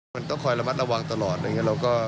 มันต้องคอยระมัดระวังตลอดนะ